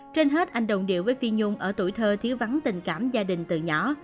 trên hết anh đồng điệu với phi nhung ở tuổi thơ thiếu vắng tình cảm gia đình từ nhỏ